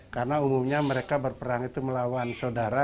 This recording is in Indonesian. karena umumnya mereka berperang itu melawan saudara